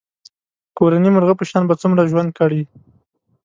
کورني مرغه په شان به څومره ژوند کړې.